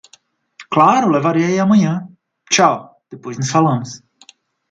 Claro, levarei aí amanhã. Tchau, depois nos falamos.